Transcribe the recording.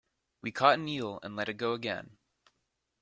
We caught an eel and let it go again.